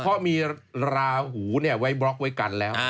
เพราะมีราหูไว้บล็อกไว้กันแล้ว